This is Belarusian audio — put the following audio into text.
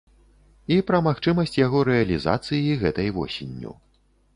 І пра магчымасць яго рэалізацыі гэтай восенню.